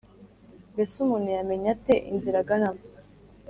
mbese umuntu yamenya ate inzira aganamo’